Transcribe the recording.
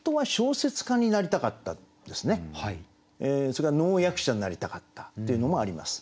それから能役者になりたかったっていうのもあります。